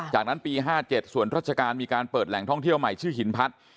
จากนั้นปี๕๗ส่วนราชการมีการเปิดแหล่งท่องเที่ยวใหม่ชื่อหินพัฒน์